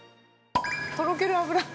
とろける脂！